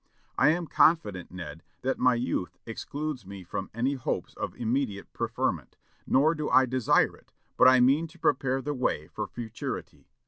I am confident, Ned, that my youth excludes me from any hopes of immediate preferment, nor do I desire it, but I mean to prepare the way for futurity.